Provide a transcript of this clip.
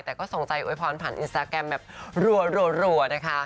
แต่ก็ส่งใจโวยพรผ่านอินสตาแกรมแบบรัวนะคะ